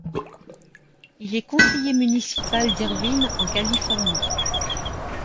Il est conseiller municipal d'Irvine en Californie.